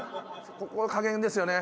ここの加減ですよね。